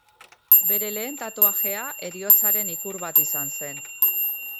Bere lehen tatuajea heriotzaren ikur bat izan zen.